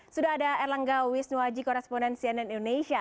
sudah ada erlangga wisnuaji koresponen cnn indonesia